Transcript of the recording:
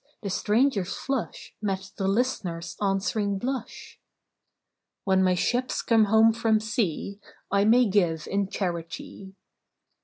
The stranger's flush Met the list'ner's answering blush. "When my ships come home from Sea, I may give in charity."